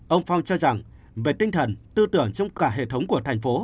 ông phong cho rằng về tinh thần tư tưởng trong cả hệ thống của thành phố